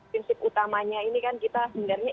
prinsip utamanya ini kan kita sebenarnya